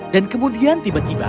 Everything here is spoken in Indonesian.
dan kemudian tiba tiba